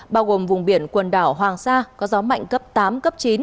bao gồm vùng biển quần đảo hoàng sa có gió mạnh cấp tám cấp chín